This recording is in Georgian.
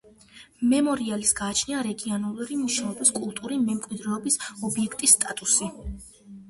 მემორიალს გააჩნია რეგიონალური მნიშვნელობის კულტურული მემკვიდრეობის ობიექტის სტატუსი.